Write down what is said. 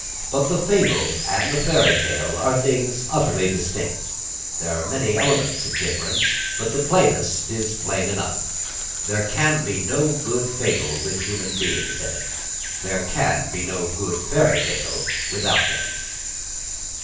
But the fable and the fairy tale are things utterly distinct. There are many elements of difference; but the plainest is plain enough. There can be no good fable with human beings in it. There can be no good fairy tale without them.